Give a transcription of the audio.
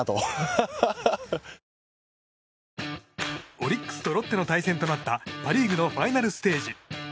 オリックスとロッテの対戦となったパ・リーグのファイナルステージ。